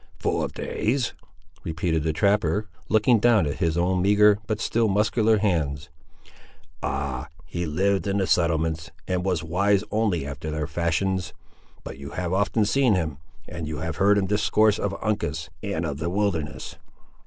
"Full of days!" repeated the trapper, looking down at his own meagre, but still muscular hands. "Ah! he liv'd in the settlements, and was wise only after their fashions. But you have often seen him; and you have heard him discourse of Uncas, and of the wilderness?"